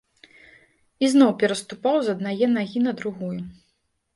І зноў пераступаў з аднае нагі на другую.